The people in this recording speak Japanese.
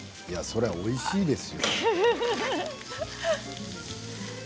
そりゃあ、おいしいですよ。